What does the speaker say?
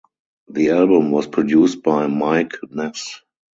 The album was produced by Mike Ness.